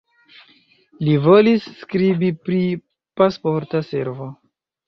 Li volis skribi pri Pasporta Servo.